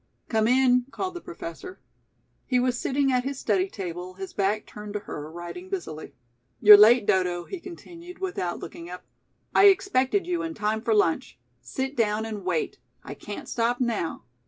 "Come in," called the Professor. He was sitting at his study table, his back turned to her, writing busily. "You're late, Dodo," he continued, without looking up. "I expected you in time for lunch. Sit down and wait. I can't stop now.